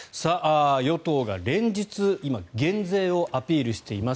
与党が連日今、減税をアピールしています。